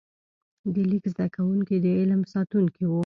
د لیک زده کوونکي د علم ساتونکي وو.